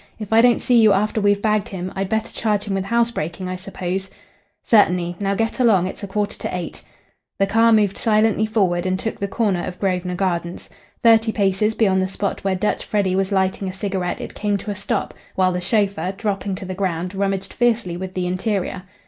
"If I don't see you after we've bagged him I'd better charge him with housebreaking, I suppose?" "Certainly. Now get along. It's a quarter to eight." The car moved silently forward and took the corner of Grosvenor Gardens. Thirty paces beyond the spot where Dutch Freddy was lighting a cigarette it came to a stop, while the chauffeur, dropping to the ground, rummaged fiercely with the interior.